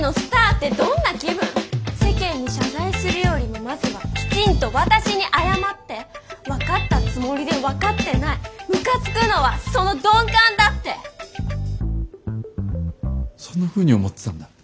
世間に謝罪するよりもまずはきちんと私に謝って分かったつもりで分かってないムカつくのはその鈍感だってそんなふうに思ってたんだ。